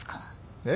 えっ！